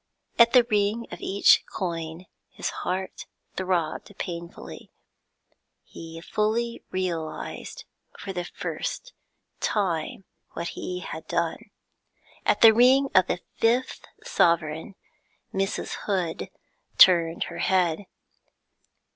At the ring of each coin his heart throbbed painfully. He fully realised, for the first time, what he had done. At the ring of the fifth sovereign Mrs. Hood turned her head.